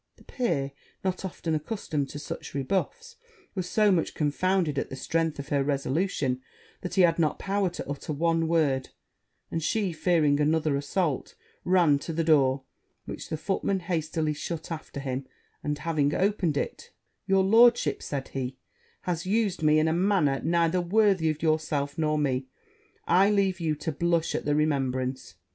The peer, not often accustomed to such rebuffs, was so much confounded at the strength of her resolution, that he had not power to utter one word; and she, fearing another assault, ran to the door, which the footman hastily shut after him; and having opened it, 'Your lordship,' said she, 'has used me in a manner neither worthy of yourself nor me; I leave you to blush at the remembrance.'